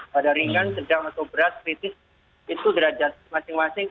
pada ringan sedang atau berat kritis itu derajat masing masing